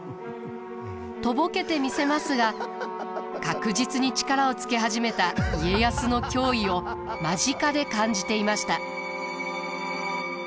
とぼけてみせますが確実に力をつけ始めた家康の脅威を間近で感じていました。